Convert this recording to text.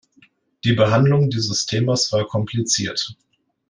Die Behandlung dieses Themas war kompliziert.